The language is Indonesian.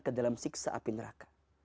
kedalam siksa api neraka